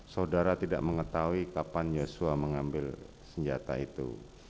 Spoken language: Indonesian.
saudara tidak mengetahui kapan yosua mengambil senjata itu